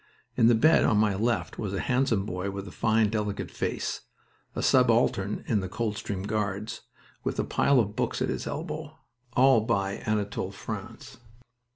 In the bed on my left was a handsome boy with a fine, delicate face, a subaltern in the Coldstream Guards, with a pile of books at his elbow all by Anatole France.